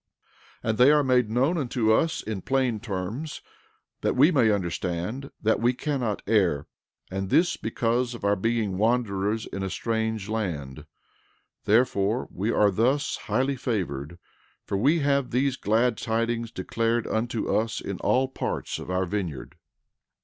13:23 And they are made known unto us in plain terms, that we may understand, that we cannot err; and this because of our being wanderers in a strange land; therefore, we are thus highly favored, for we have these glad tidings declared unto us in all parts of our vineyard.